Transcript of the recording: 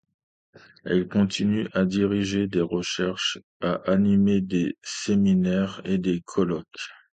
Elle continue à diriger des recherches, à animer des séminaires et des colloques.